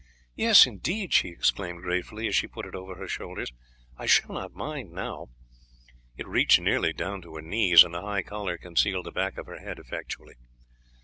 "Yes, indeed," she exclaimed gratefully, as she put it over her shoulders; "I shall not mind now." It reached nearly down to her knees, and the high collar concealed the back of her head effectually.